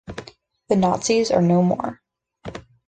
The Nazis are no more.